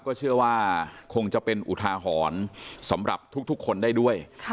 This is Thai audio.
ก็เชื่อว่าคงจะเป็นอุทาหรณ์สำหรับทุกคนได้ด้วย